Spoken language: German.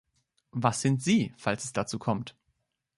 Was sind Sie, falls es dazu kommt?